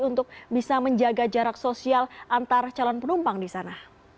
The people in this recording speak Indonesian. untuk bisa menjaga jarak sosial antar calon penumpang di sana